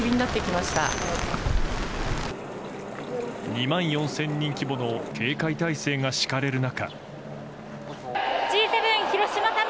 ２万４０００人規模の警戒態勢が敷かれる中。